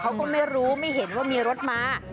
เขาก็ไม่รู้ไม่เห็นว่ามีรถมา